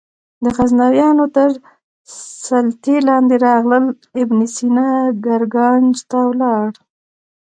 د غزنویانو تر سلطې لاندې راغلل ابن سینا ګرګانج ته ولاړ.